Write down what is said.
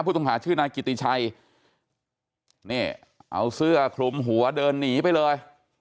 ผู้ต้องหาชื่อนายกิติชัยนี่เอาเสื้อคลุมหัวเดินหนีไปเลย